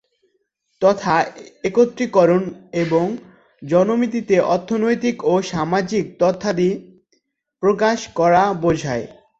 তথ্য একত্রীকরণ এবং জনমিতিতে অর্থনৈতিক ও সামাজিক তথ্যাদি প্রকাশ করা বোঝায়।